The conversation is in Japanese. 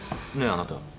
あなた。